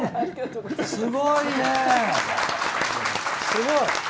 すごいね！